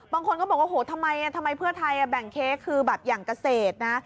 บางคนก็บอกว่าโหทำไมเพื่อไทยแบ่งเค้กคือแบบอย่างเกษตรนะ